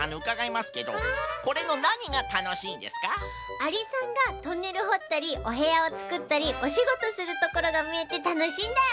アリさんがトンネルほったりおへやをつくったりおしごとするところがみえてたのしいんだよ。